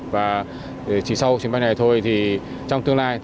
và chỉ sau chuyến bay này thôi thì trong tương lai